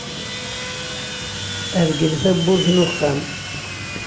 Rgel tawwurt n uxxam.